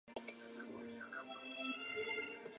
广东乡试第五十名。